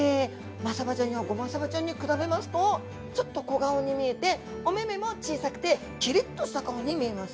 マサバちゃんやゴマサバちゃんに比べますとちょっと小顔に見えておめめも小さくてキリッとした顔に見えます。